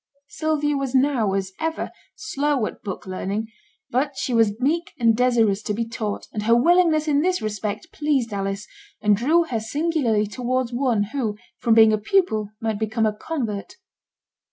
Sylvia was now, as ever, slow at book learning; but she was meek and desirous to be taught, and her willingness in this respect pleased Alice, and drew her singularly towards one who, from being a pupil, might become a convert.